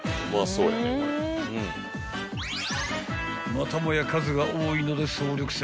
［またもや数が多いので総力戦］